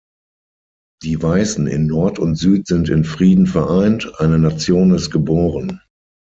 Die Weißen in Nord und Süd sind in Frieden vereint, eine Nation ist geboren.